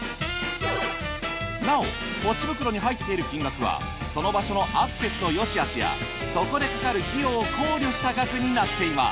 なおポチ袋に入っている金額はその場所のアクセスの良し悪しやそこでかかる費用を考慮した額になっています。